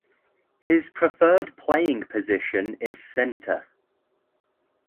His preferred playing position is centre.